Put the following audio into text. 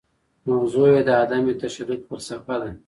موضوع یې د عدم تشدد فلسفه ده.